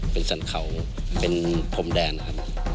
เป็นสรรเขาเป็นพรมแดนครับ